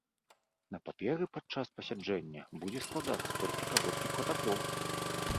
На паперы падчас пасяджэння будзе складацца толькі кароткі пратакол.